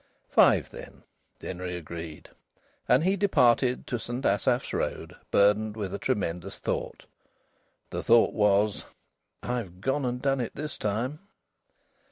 "Five, then," Denry agreed. And he departed to St Asaph's Road burdened with a tremendous thought. The thought was: "I've gone and done it this time!"